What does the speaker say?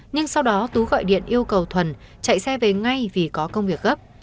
nhưng sau đó tú gọi điện yêu cầu thuần chạy xe về ngay vì có công việc gấp